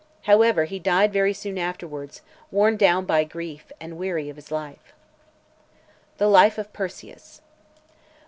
However, he died very soon afterwards, worn down by grief, and weary of his life. THE LIFE OF PERSIUS.